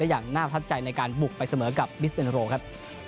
ได้อย่างน่าพัฒนาใจในการบุกไปเสมอกับบิสเป็นโรครับ